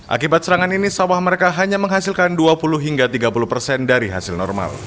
akibat serangan ini sawah mereka hanya menghasilkan dua puluh hingga tiga puluh persen dari hasil normal